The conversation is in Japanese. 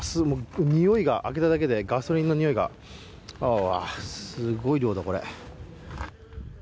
においが開けただけで、ガソリンのにおいが、すごい量だ。